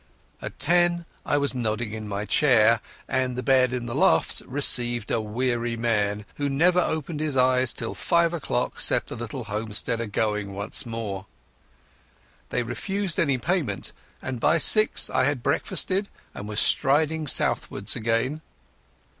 At ten I was nodding in my chair, and the "bed in the loft" received a weary man who never opened his eyes till five o'clock set the little homestead a going once more. They refused any payment, and by six I had breakfasted and was striding southwards again.